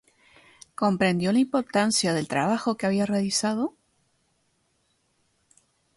¿Comprendió la importancia del trabajo que había realizado?